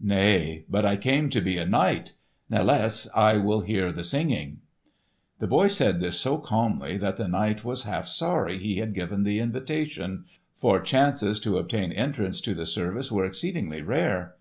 "Nay, but I came to be a knight. Nathless I will hear the singing." The boy said this so calmly, that the knight was half sorry he had given the invitation; for chances to obtain entrance to the service were exceedingly rare.